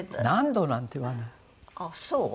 「何度」なんて言わない。